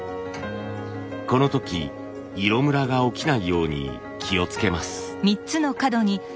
この時色ムラが起きないように気をつけます。